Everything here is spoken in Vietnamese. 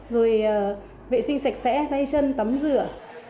rồi vệ sinh sạch sẽ tay chân tắm rửa